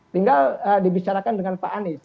tinggal dibicarakan dengan pak anies